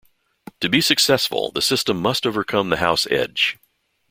To be successful, the system must overcome the house edge.